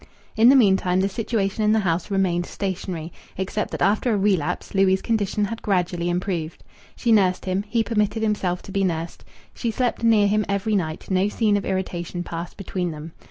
In the meantime the situation in the house remained stationary, except that after a relapse Louis' condition had gradually improved. She nursed him; he permitted himself to be nursed; she slept near him every night; no scene of irritation passed between them.